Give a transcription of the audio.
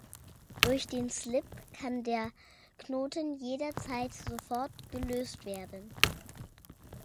Durch den Slip kann der Knoten jederzeit sofort gelöst werden.